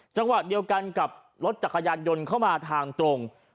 จังหวะเดียวกันกับรถจักรยานยนต์เข้ามาทางตรง